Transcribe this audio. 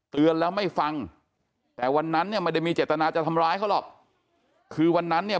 เตือนแล้วไม่ฟังแต่วันนั้นเนี่ยไม่ได้มีเจตนาจะทำร้ายเขาหรอกคือวันนั้นเนี่ย